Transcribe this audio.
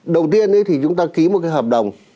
đầu tiên thì chúng ta ký một cái hợp đồng